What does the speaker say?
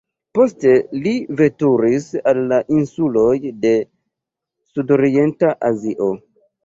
Poste li veturis al la insuloj de Sudorienta Azio.